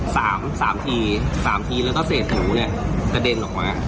สามสามทีสามทีแล้วก็เศษหนูเนี้ยกระเด็นออกมา